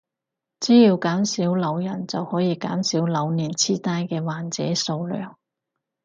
只要減少老人就可以減少老年癡呆嘅患者數量